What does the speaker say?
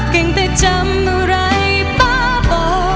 กินแต่จำอะไรป้าบ่